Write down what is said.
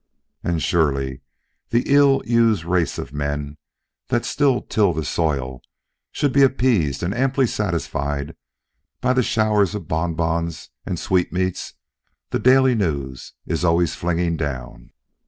And surely the ill used race of men that till the soil should be appeased and amply satisfied by the showers of bonbons and sweetmeats the Daily News is always flinging down.